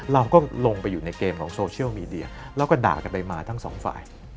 เราก็ลงไปอยู่ในเกมของโซเชียลมีเดียแล้วก็ด่ากันไปมาทั้งสองฝ่าย